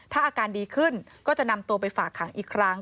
ถ้าอาการดีขึ้นก็จะนำตัวไปฝากขังอีกครั้ง